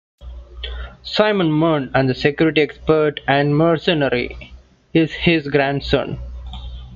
Simon Mann, the security expert and mercenary, is his grandson.